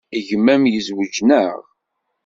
Gma-m yezwej, naɣ?